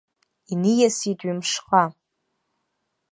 Иниасит ҩымшҟа.